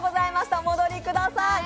お戻りください。